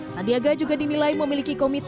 sandiaga juga dinilai memiliki komitmen